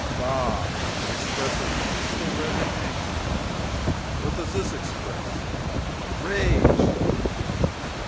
"Bah, it expresses peaceful resignation! What does this express?" "Rage!"